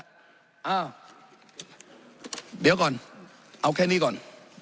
อ้าวเดี๋ยวก่อนเอาแค่นี้ก่อน